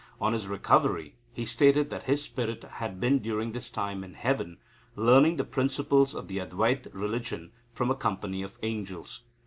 On his recovery, he stated that his spirit had been during this time in heaven, learning the principles of the Advaita religion from a company of angels.